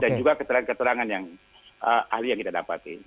dan juga keterangan keterangan ahli yang kita dapatkan